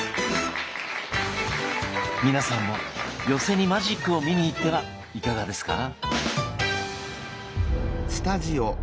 皆さんも寄席にマジックを見に行ってはいかがですか？